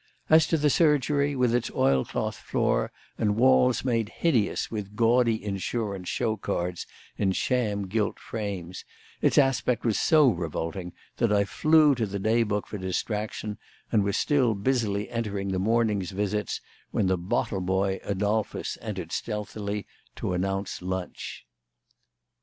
As to the surgery, with its oilcloth floor and walls made hideous with gaudy insurance show cards in sham gilt frames, its aspect was so revolting that I flew to the day book for distraction, and was still busily entering the morning's visits when the bottle boy, Adolphus, entered stealthily to announce lunch.